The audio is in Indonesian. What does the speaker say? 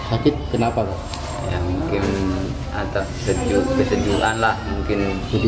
atau kesejuran lah mungkin